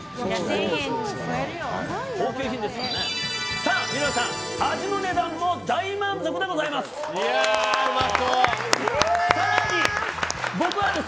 さあ、皆さん味も値段も大満足でございます！